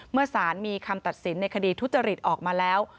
เมื่อสารมีคำตัดสินในคดีทุจริตออกมาแล้ว